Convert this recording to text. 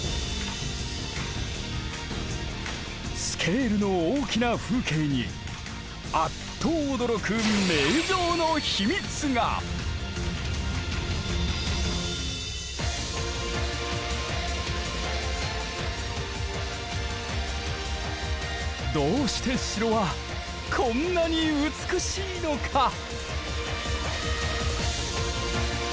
スケールの大きな風景にあっと驚くどうして城はこんなに美しいのか⁉